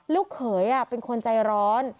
ลูกเขยเป็นคนใจร้อน